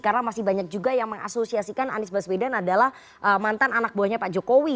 karena masih banyak juga yang mengasosiasikan anies busway dan adalah mantan anak buahnya pak jokowi